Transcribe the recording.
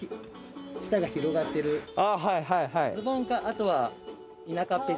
下が広がってるズボンかあとは。